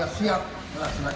dari dari pada saat ini